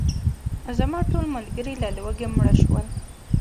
زما ټول ملګري له لوږې مړه شول.